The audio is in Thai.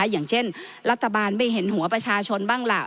อย่างเช่นรัฐบาลไม่เห็นหัวประชาชนบ้างล่ะ